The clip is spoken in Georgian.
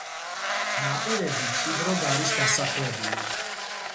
ნაპირები მჭიდროდ არის დასახლებული.